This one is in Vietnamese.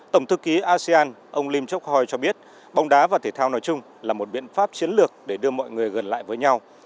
tổng thư ký asean ông lim chok hoi cho biết bóng đá và thể thao nói chung là một biện pháp chiến lược để đưa mọi người gần lại với nhau